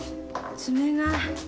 爪が。